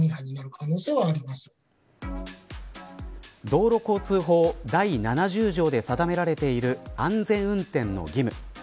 道路交通法第７０条で定められている安全運転の義務。